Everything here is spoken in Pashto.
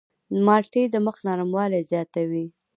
مالټې د مخ نرموالی زیاتوي.